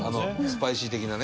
スパイシー的なね。